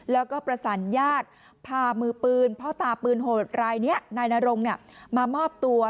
แล้วก็ประสานญาติพามือปืนพ่อตาปืนโหดรายนี้นายนรงมามอบตัว